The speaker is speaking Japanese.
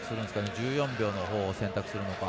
１４秒のほうを選択するのか。